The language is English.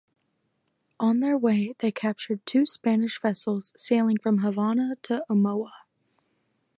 On their way they captured two Spanish vessels sailing from Havana to Omoa.